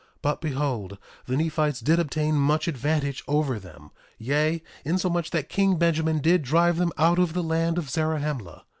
But behold, the Nephites did obtain much advantage over them; yea, insomuch that king Benjamin did drive them out of the land of Zarahemla.